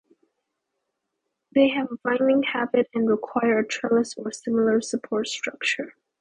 They have a vining habit and require a trellis or similar support structure.